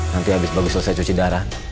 nanti habis bagus selesai cuci darah